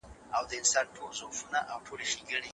چي تا ته راغلم نو دا هم ستا په کرم راغلمه